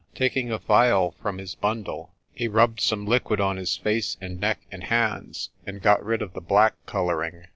Taking a phial from his bundle, he rubbed some liquid on his face and neck and hands, and got rid of the black colouring.